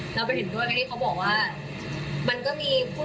ชั้นพี่ตัวเราก็ยังไม่รู้